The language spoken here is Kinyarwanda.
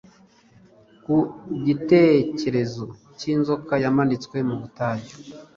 ku gitekerezo cy'inzoka yamanitswe mu butayu.